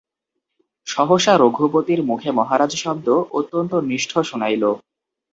সহসা রঘুপতির মুখে মহারাজ শব্দ অত্যন্ত মিষ্ট শুনাইল।